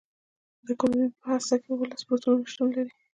د کلورین په هسته کې اوولس پروتونونه شتون لري.